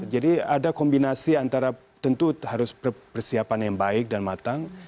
jadi ada kombinasi antara tentu harus persiapan yang baik dan matang